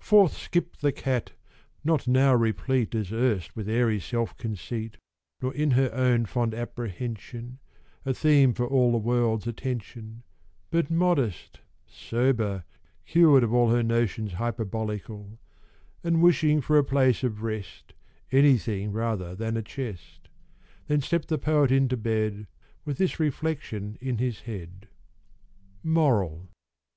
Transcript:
Forth skipp'd the cat, not now replete As erst with airy self conceit, Nor in her own fond apprehension A theme for all the world's attention, But modest, sober, cured of all Her notions hyperbolical, And wishing for a place of rest Any thing rather than a chest. Then stepp'd the poet into bed With this reflection in his head: MORAL.